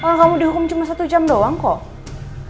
oh kamu dihukum cuma satu jam doang kok